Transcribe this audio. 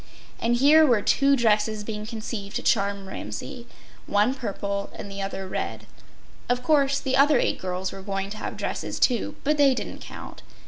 And here were two dresses being conceived to charm Ramsay—one purple and the other red. Of course, the other eight girls were going to have dresses too, but they didn’t count.